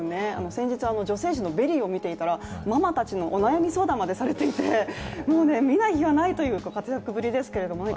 先日、女性誌を見ていたら、ママたちのお悩み相談をされていてもう見ない日はないという活躍ぶりですけれども、